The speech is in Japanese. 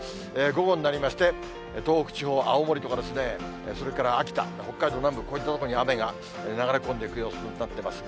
午後になりまして、東北地方、青森とか、それから秋田、北海道南部、こういった所に雨が流れ込んでいく予想になっています。